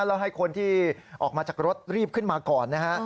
แล้วให้คนที่ออกมาจากรถรีบขึ้นมาก่อนนะฮะ